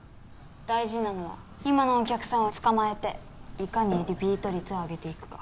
大事なのは今のお客さんを捕まえていかにリピート率を上げていくか。